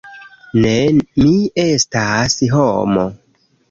"Ne, mi estas homo."